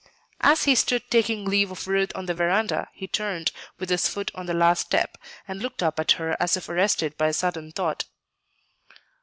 As he stood taking leave of Ruth on the veranda, he turned, with his foot on the last step, and looked up at her as if arrested by a sudden thought.